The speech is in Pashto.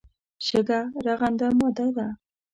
شګه رغنده ماده ده.